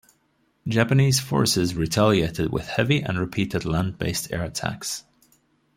Japanese forces retaliated with heavy and repeated land-based air attacks.